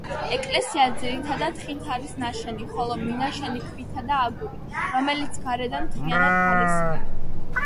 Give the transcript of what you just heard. ეკლესია ძირითადად ხით არის ნაშენი, ხოლო მინაშენი ქვითა და აგურით, რომელიც გარედან მთლიანად გალესილია.